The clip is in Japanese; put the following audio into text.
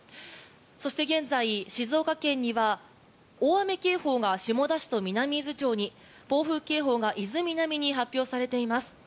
そして現在静岡県には大雨警報が下田市と南伊豆町に暴風警報が伊豆南に発表されています。